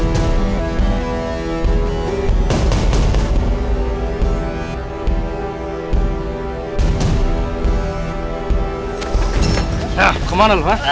nah kemana lu ha